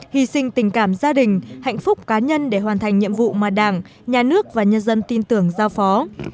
hy sinh tình cảm gia đình hạnh phúc cá nhân để hoàn thành nhiệm vụ mà đảng nhà nước và nhân dân tin tưởng giao phó